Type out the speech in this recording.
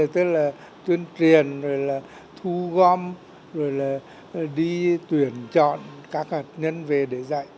tức là tuyên truyền thu gom đi tuyển chọn các hạt nhân về để dạy